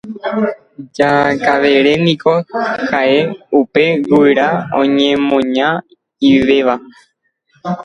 Jakavere niko ha'e upe guyra oñemoña'ivéva.